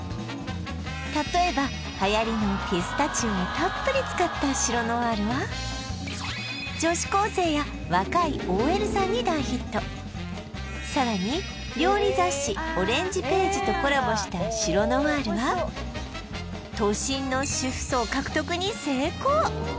例えばはやりのピスタチオをたっぷり使ったシロノワールは女子高生や若いＯＬさんに大ヒットさらに料理雑誌オレンジページとコラボしたシロノワールはに成功